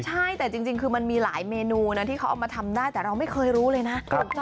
ใช่แต่จริงคือมันมีหลายเมนูนะที่เขาเอามาทำได้แต่เราไม่เคยรู้เลยนะ